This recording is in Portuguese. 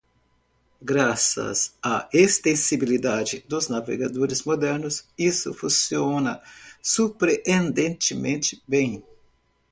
Graças à extensibilidade dos navegadores modernos? isso funciona surpreendentemente bem.